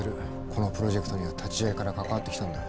このプロジェクトには立ち上げから関わってきたんだ。